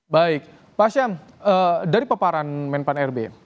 baik pak syam dari peparan menpan rbi